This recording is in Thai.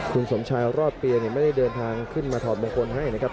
คุณสมชายรอดเปียไม่ได้เดินทางขึ้นมาถอดมงคลให้นะครับ